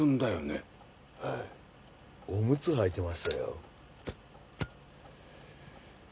おむつはいてましたよ。